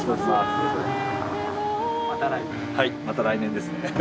はいまた来年ですね。